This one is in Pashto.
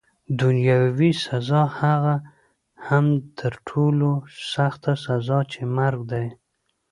دنیاوي سزا، هغه هم تر ټولو سخته سزا چي مرګ دی.